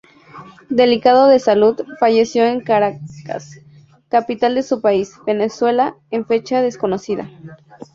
Delicado de salud, falleció en Caracas, capital de su país, Venezuela, en fecha desconocida.